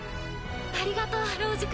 ありがとうロウジ君。